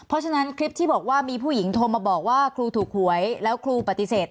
เพราะฉะนั้นคลิปที่บอกว่ามีผู้หญิงโทรมาบอกว่าครูถูกหวยแล้วครูปฏิเสธ